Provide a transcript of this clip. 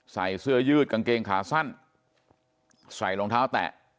ใส่เสื้อยืดกางเกงขาสั้นใส่รองเท้าแตะ